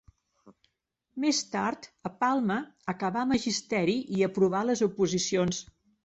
Més tard a Palma acabà Magisteri i aprovà les oposicions.